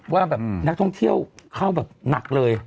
ว่าแบบนักท่องเที่ยวเข้าแบบหนักเลย